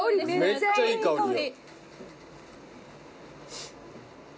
めっちゃいい香りよ。